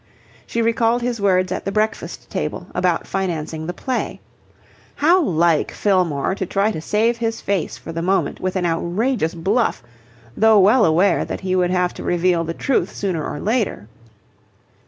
She recalled his words at the breakfast table about financing the play. How like Fillmore to try to save his face for the moment with an outrageous bluff, though well aware that he would have to reveal the truth sooner or later.